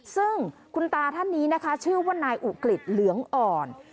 ซึ่งคุณตาท่านนี้นะคะชื่อว่านายอุกฤษเหลืองอ่อน